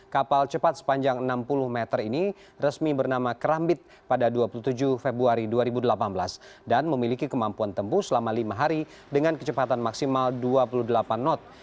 kapal cepat sepanjang enam puluh meter ini resmi bernama kerambit pada dua puluh tujuh februari dua ribu delapan belas dan memiliki kemampuan tempuh selama lima hari dengan kecepatan maksimal dua puluh delapan knot